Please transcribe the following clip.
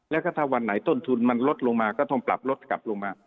แล้วก็ถ้าวันไหนต้นทุนมันลดลงมาก็ต้องปรับลดกลับลงมา